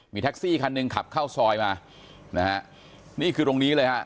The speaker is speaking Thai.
มีแท็กซี่คันหนึ่งขับเข้าซอยมานะฮะนี่คือตรงนี้เลยฮะ